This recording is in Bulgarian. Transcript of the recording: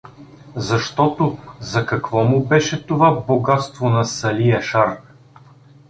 Защото за какво му беше това богатство на Сали Яшар?